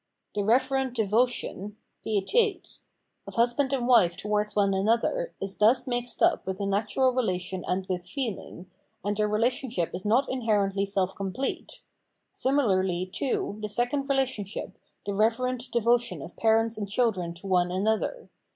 The reverent devotion {Pietat) of husband and wife towards one another is thus mixed up with a natural relation and with feeling, and their relationship is not inherently self complete ; similarly, too, the second rela tionship, the reverent devotion of parents and children to one another.